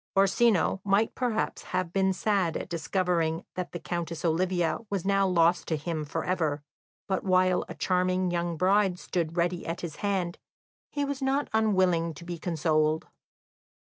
Orsino might perhaps have been sad at discovering that the Countess Olivia was now lost to him for ever, but while a charming young bride stood ready at his hand, he was not unwilling to be consoled.